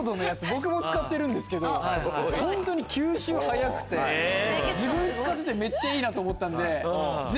僕も使ってるんですけど本当に吸収早くて自分使っててめっちゃいいなと思ったんで。